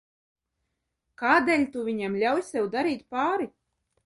Kādēļ tu viņam ļauj sev darīt pāri?